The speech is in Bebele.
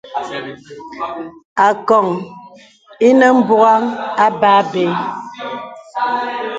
Àgòŋ inə mbugaŋ a mbâbə́.